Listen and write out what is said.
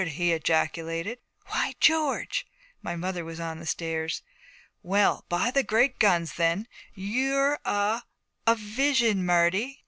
he ejaculated. 'Why, George!' My mother was on the stairs. 'Well, by the Great Guns then you're a a vision, Marty.'